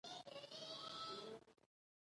سارا هم بوره شوه او هم بدنامه.